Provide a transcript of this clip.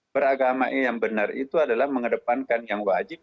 beragama yang benar itu adalah mengedepankan yang wajib